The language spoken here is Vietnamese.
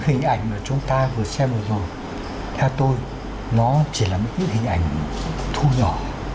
hình ảnh mà chúng ta vừa xem vừa rồi theo tôi nó chỉ là những hình ảnh thu nhỏ